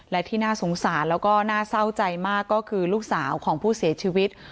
และที่น่าสงสารแล้วก็น่าเศร้าใจมากก็คือลูกสาวของผู้เสียชีวิต